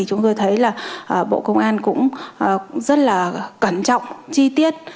rất là quan trọng chi tiết